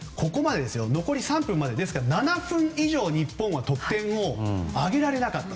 残り３分まで、７分以上日本は得点を挙げられなかった。